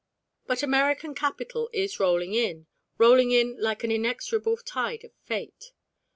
But American capital is rolling in, rolling in like an inexorable tide of Fate.